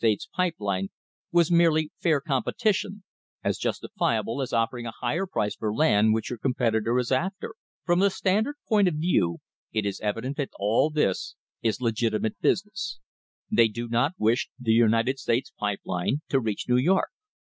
THE HISTORY OF THE STANDARD OIL COMPANY Pipe Line was merely fair competition, as justifiable as offering a higher price for land which your competitor is after. From the Standard point of view it is evident that all this is legitimate business. They do not wish the United States Pipe Line to reach New York.